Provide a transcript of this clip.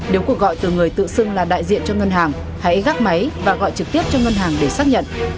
nếu cuộc gọi từ người tự xưng là đại diện cho ngân hàng hãy gác máy và gọi trực tiếp cho ngân hàng để xác nhận